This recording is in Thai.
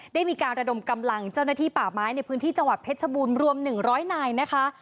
ได้มีการระดมกำลังเจ้าหน้าที่ป่าไม้ในพื้นที่จังหวัดเพชรบูรณ์รวม๑๐๐นายนะคะ